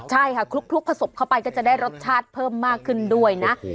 ใช่ค่ะคลุกผสมเข้าไปก็จะได้รสชาติเพิ่มมากขึ้นด้วยนะ